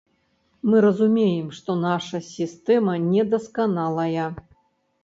Мы разумеем, што наша сістэма недасканалая.